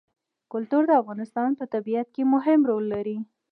کلتور د افغانستان په طبیعت کې مهم رول لري.